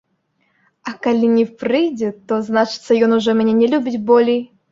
А калі не прыйдзе, то, значыцца, ён ужо мяне не любіць болей.